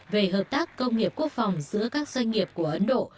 về hợp tác công nghiệp quốc phòng giữa các doanh nghiệp của ấn độ